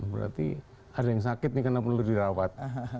berarti ada yang sakit ini kenapa perlu dirawat